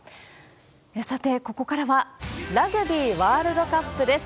さて、ここからはラグビーワールドカップです。